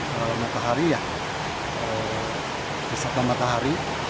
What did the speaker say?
misalnya matahari ya beserta matahari